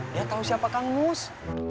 dia tahu siapa kang mus